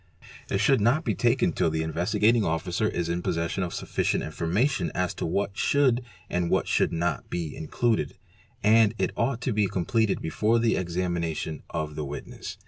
It should not be taken till the Investigating Officer is | in possession of sufficient information as to what should and what should not be included and it ought to be completed before the examination of the witnesses.